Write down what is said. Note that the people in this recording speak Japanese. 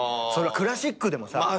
それはクラシックでもさ。